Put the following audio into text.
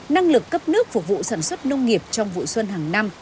năng lực cấp nước phục vụ sản xuất nông nghiệp trong vụ xuân hàng năm